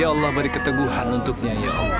ya allah beri keteguhan untuknya ya